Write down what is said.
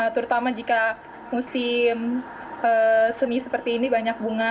terutama jika musim semi seperti ini banyak bunga